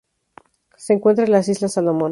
Se encuentra en la Islas Salomón.